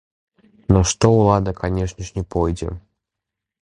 На што ўлада, канешне ж, не пойдзе.